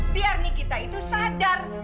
biar nikita itu sadar